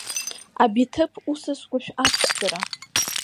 Абиҭыԥ усас гәашә аԥшӡара…